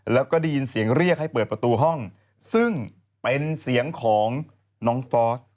แล้วก็ได้ยินเสียงเรียกให้เปิดประตูห้องซึ่งเป็นเสียงของน้องฟอส